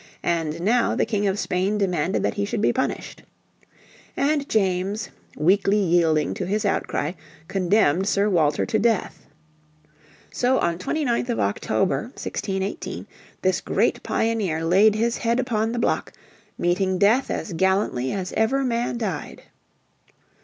And now the King of Spain demanded that he should be punished. And James, weakly yielding to his outcry, condemned Sir Walter to death. So on 29th of October, 1618, this great pioneer laid his head upon the block, meeting death as gallantly as ever man died.